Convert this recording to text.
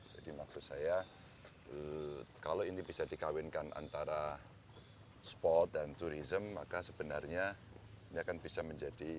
jadi maksud saya kalau ini bisa dikawinkan antara sport dan tourism maka sebenarnya ini akan bisa menjadi